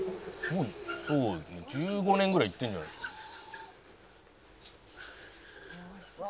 「もう１５年ぐらい行ってるんじゃないですか」